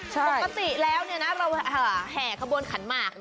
ใช่ปกติแล้วเราแห่ข้าวบนขันมาก